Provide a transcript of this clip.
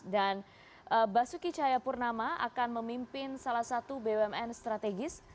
dan basuki cahayapurnama akan memimpin salah satu bumn strategis